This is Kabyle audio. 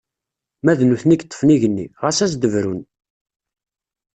Ma d nutni i yeṭṭfen igenni, ɣas ad s-d-brun!